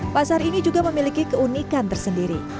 pasar ini juga memiliki keunikan tersendiri